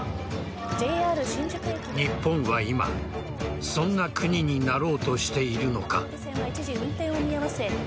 日本は今そんな国になろうとしているのか。